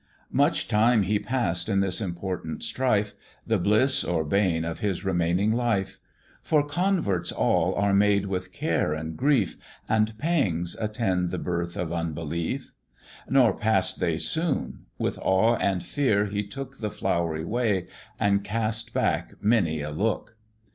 Much time he pass'd in this important strife, The bliss or bane of his remaining life; For converts all are made with care and grief, And pangs attend the birth of unbelief; Nor pass they soon; with awe and fear he took The flowery way, and cast back many a look.